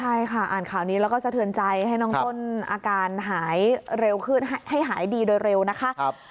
ใช่ค่ะอ่านข่าวนี้แล้วก็สะเทือนใจให้น้องต้นอาการหายเร็วขึ้นให้หายดีโดยเร็วนะคะ